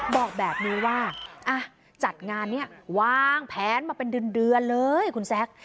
บอกแบบนี้ว่าจัดงานนี้วางแผนมาเป็นเดือนเลยคุณแซค